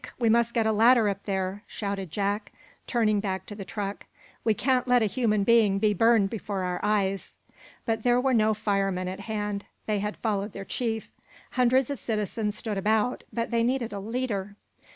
We must get a ladder up there!" shouted Jack, turning back to the truck. "We can't let a human being be burned before our eyes." But there were no firemen at hand. They had followed their chief. Hundreds of citizens stood about, but they needed a leader.